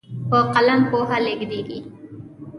په قلم پوهه لیږدېږي.